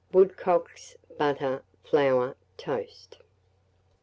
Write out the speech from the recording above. Woodcocks; butter, flour, toast.